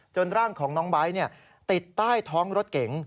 ร่างของน้องไบท์ติดใต้ท้องรถเก๋ง